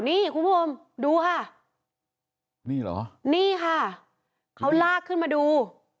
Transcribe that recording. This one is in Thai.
นี่คุณผู้ชมดูค่ะนี่เหรอนี่ค่ะเขาลากขึ้นมาดู